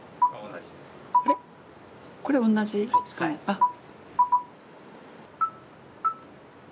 あっ。